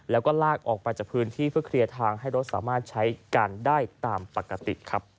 แล้วก็ลากออกไปจากพื้นที่เพื่อเคลียร์ทางให้รถสามารถใช้การได้ตามปกติครับ